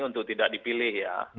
untuk tidak dipilih ya